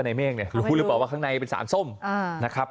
นายเมฆก็บอกว่าข้างในเป็นสารส้มนะครับ